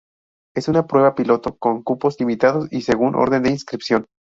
Es una prueba piloto con cupos limitados y según orden de inscripción.